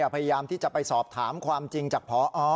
พยายามที่จะไปสอบถามความจริงจากพอ